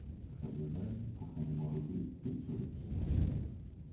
Feuilles ovales profondément lobées, pétiolées.